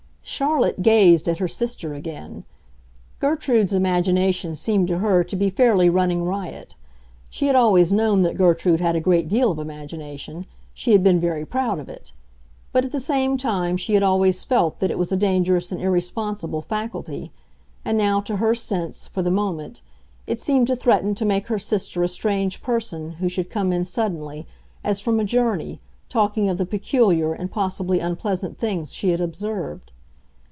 Charlotte gazed at her sister again. Gertrude's imagination seemed to her to be fairly running riot. She had always known that Gertrude had a great deal of imagination—she had been very proud of it. But at the same time she had always felt that it was a dangerous and irresponsible faculty; and now, to her sense, for the moment, it seemed to threaten to make her sister a strange person who should come in suddenly, as from a journey, talking of the peculiar and possibly unpleasant things she had observed.